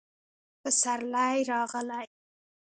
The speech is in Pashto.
پسرلی راغلی